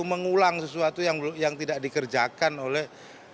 dia sudah pulang sesuatu yang tidak dikerjakan oleh